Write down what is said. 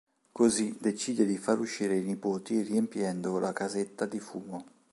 Così decide di far uscire i nipoti riempiendo la casetta di fumo.